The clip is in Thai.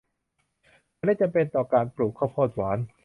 เมล็ดจำเป็นต่อการปลูกข้าวโพดหวาน